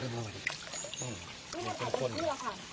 ไม่ต้องควร